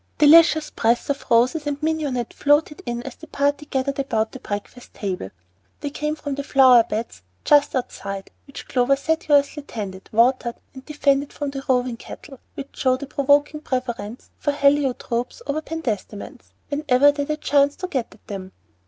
Delicious breaths of roses and mignonette floated in as the party gathered about the breakfast table. They came from the flower beds just outside, which Clover sedulously tended, watered, and defended from the roving cattle, which showed a provoking preference for heliotropes over penstamens whenever they had a chance to get at them.